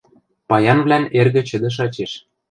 «Паянвлӓн эргӹ чӹдӹ шачеш